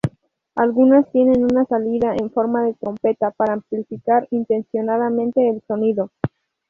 Algunas tienen una salida en forma de trompeta para amplificar intencionadamente el sonido.